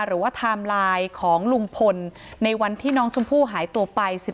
ไทม์ไลน์ของลุงพลในวันที่น้องชมพู่หายตัวไป